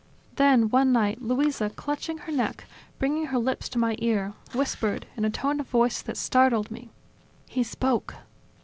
Then, one night, Luisa, clutching her neck, bringing her lips to my ear, whispered, in a tone of voice that startled me, "He spoke!"